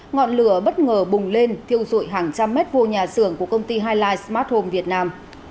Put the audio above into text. ngọn lửa bất ngờ bùng lên thiêu rụi hàng trăm mét vô nhà xưởng của công ty highlight smart home việt nam